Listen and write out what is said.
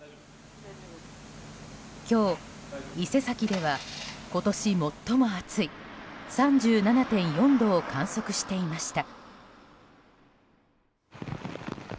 今日、伊勢崎では今年最も暑い３７．４度を観測していました。